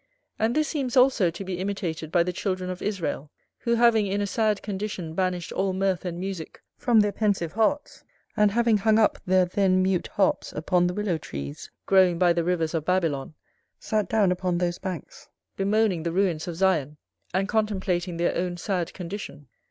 And this seems also to be imitated by the children of Israel, who having in a sad condition banished all mirth and musick from their pensive hearts, and having hung up their then mute harps upon the willow trees growing by the rivers of Babylon, sat down upon those banks, bemoaning the ruins of Sion, and contemplating their own sad condition.